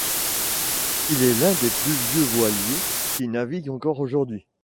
Il est l'un des plus vieux voiliers qui naviguent encore aujourd'hui.